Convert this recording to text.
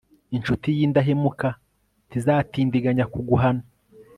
incuti y'indahemuka ntizatindiganya kuguhana